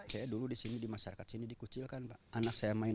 saya tidak mau mencoba untuk membuat sampah ini